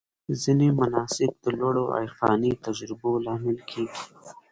ځینې مناسک د لوړو عرفاني تجربو لامل کېږي.